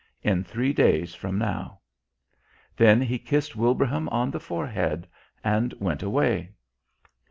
In three days from now." Then he kissed Wilbraham on the forehead and went away.